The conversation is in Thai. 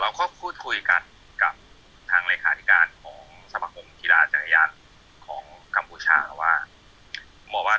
เราก็พูดคุยกันกับทางเลยคาดิการของสมัครองคียาจักรยานของกัมพูชาว่า